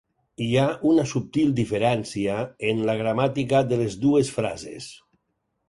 Hi ha una subtil diferència en la gramàtica de les dues frases.